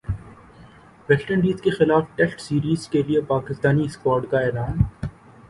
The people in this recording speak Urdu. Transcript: ویسٹ انڈیزکےخلاف ٹیسٹ سیریز کے لیےپاکستانی اسکواڈ کا اعلان